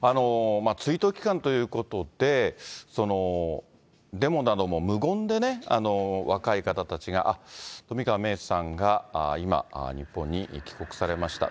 追悼期間ということで、デモなども無言で若い方たちが、あっ、冨川芽生さんが今、日本に帰国されました。